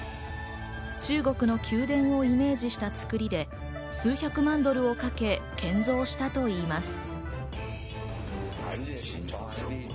中国の宮殿をイメージした作りで、数百万ドルをかけ、建造したといいます。